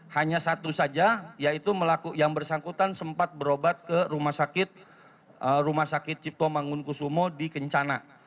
hanya satu saja yaitu yang bersangkutan sempat berobat ke rumah sakit cipto manggun kusumo di kencana